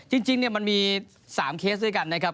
จริงมันมี๓เคสด้วยกันนะครับ